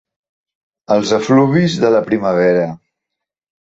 Els efluvis de la primavera.